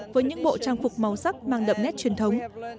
với những bộ trang phục màu sắc mang đậm nét truyền thống